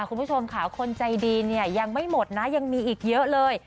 คุณผู้ชมค่ะคนใจดีเนี่ยยังไม่หมดนะยังมีอีกเยอะเลย